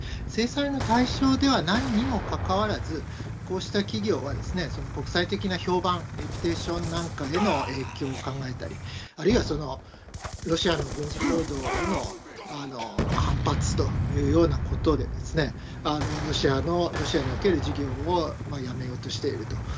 制裁の対象ではないにもかかわらず、こうした企業は国際的な評判、レピュテーションなんかへの影響を考えたり、あるいはロシアの軍事行動への反発というようなことで、ロシアの、ロシアにおける事業をやめようとしていると。